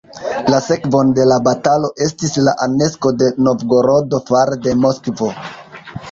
La sekvon de la batalo estis la anekso de Novgorodo fare de Moskvo.